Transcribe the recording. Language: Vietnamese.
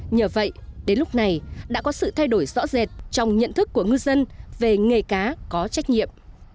nhờ vậy đến lúc này đã có sự thay đổi rõ rệt trong nhận thức của ngư dân về nghề cá có trách nhiệm